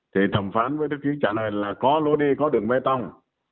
thì thẩm phán với thư ký trả lời là có lối đi có đường bê tông